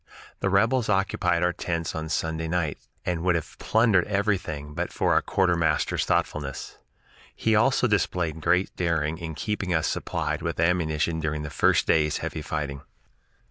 The rebels occupied our tents on Sunday night, and would have plundered everything but for our quartermaster's thoughtfulness. He also displayed great daring in keeping us supplied with ammunition during the first day's heavy fighting.